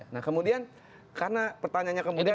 nah kemudian karena pertanyaannya kemudian